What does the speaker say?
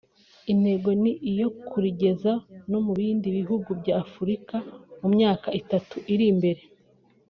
Intego ni iyo kurigeza no mu bindi bihugu bya Afurika mu myaka itatu iri imbere